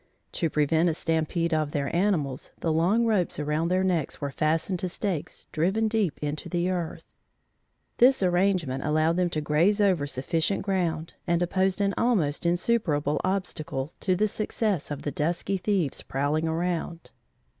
To prevent a stampede of their animals, the long ropes around their necks were fastened to stakes driven deep into the earth. This arrangement allowed them to graze over sufficient ground and opposed an almost insuperable obstacle to the success of the dusky thieves prowling around.